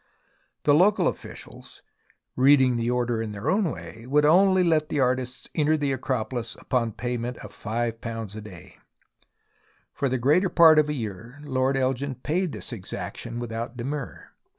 The local officials, reading the order in their own way, would only let the artists enter the Acropolis upon pa5mient of £5 a day. For the greater part of a year Lord Elgin paid this exaction without demur.